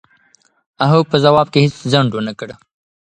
هغه په ځواب کې هېڅ ځنډ و نه کړ.